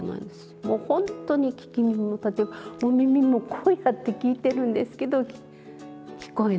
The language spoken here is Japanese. もう本当に聞き耳を立てもう耳もこうやって聞いてるんですけど聞こえない。